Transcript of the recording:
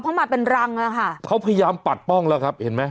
เข้ามาเป็นรังอ่ะค่ะเขาพยายามปัดป้องแล้วครับเห็นไหม